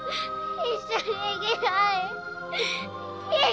一緒に行きたい！